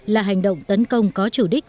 là hành động tấn công có chủ đích